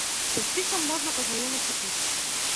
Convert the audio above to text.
Са спісам можна пазнаёміцца тут.